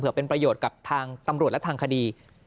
เพื่อเป็นประโยชน์กับทางตำรวจและทางคดี